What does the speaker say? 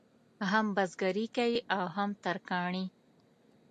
هم بزګري کوي او هم ترکاڼي.